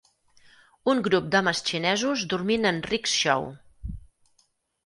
Un grup d'homes xinesos dormint en "rickshaw".